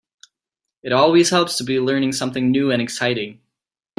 It always helps to be learning something new and exciting.